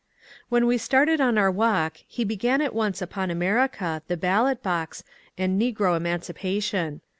When we started on our walk he began at once upon America, the ballot box, and negro emancipation.